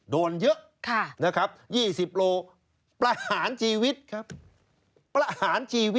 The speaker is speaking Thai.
โดนเยอะนะครับ๒๐โลกรัมประหารชีวิตครับครับ